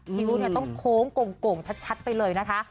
คิ้วต้องโค้งโก่งชัดไปเลยนะคะ